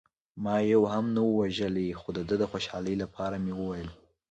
ما یو هم نه و وژلی، خو د ده د خوشحالۍ لپاره مې وویل.